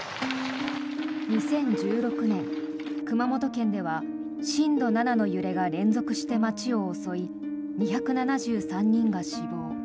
２０１６年、熊本県では震度７の揺れが連続して街を襲い２７３人が死亡。